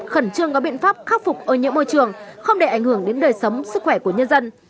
khẩn trương có biện pháp khắc phục ô nhiễm môi trường không để ảnh hưởng đến đời sống sức khỏe của nhân dân